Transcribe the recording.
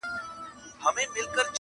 • دسرونو په کاسوکي -